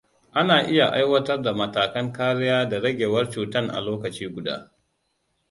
Ana iya aiwatar da matakan kariya da ragewar cutan a lokaci guda.